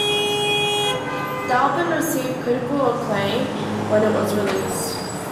The album received critical acclaim when it was released.